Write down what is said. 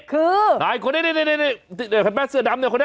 คือนายคนนี้เสื้อดำนี่คนนี้